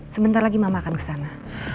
sebentar lagi mama akan kesana